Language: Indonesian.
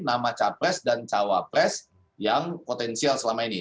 nama capres dan cawapres yang potensial selama ini